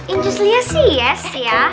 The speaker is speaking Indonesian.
injil sih yes ya